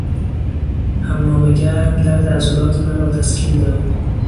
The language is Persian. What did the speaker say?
حمام گرم درد عضلات مرا تسکین داد.